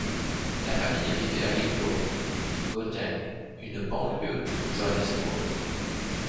La famille vivait à Illovo, Gauteng, une banlieue de Johannesburg.